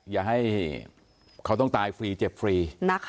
อย่าให้เขาต้องตายฟรีเจ็บฟรี